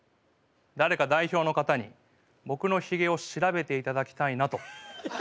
誰か代表の方に僕のヒゲを調べていただきたいなと。